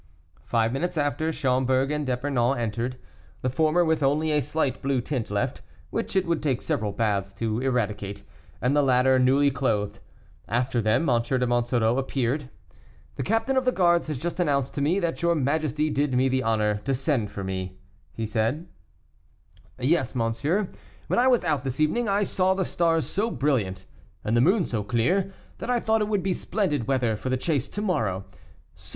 Five minutes after, Schomberg and D'Epernon entered; the former with only a slight blue tint left, which it would take several baths to eradicate, and the latter newly clothed. After them, M. de Monsoreau appeared. "The captain of the guards has just announced to me that your majesty did me the honor to send for me," said he. "Yes, monsieur; when I was out this evening, I saw the stars so brilliant, and the moon so clear, that I thought it would be splendid weather for the chase to morrow; so, M.